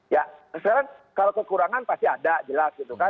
ya sekarang kalau kekurangan pasti ada jelas gitu kan